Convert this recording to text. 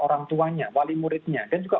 orang tuanya wali muridnya dan juga